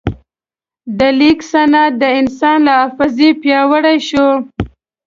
د لیک سند د انسان له حافظې پیاوړی شو.